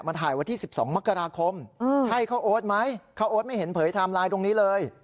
มาถ่ายวันที่สิบสองมกราคมอืมใช่เขาโอ๊ตไหมเขาโอ๊ตไม่เห็นเผยไทม์ไลน์ตรงนี้เลย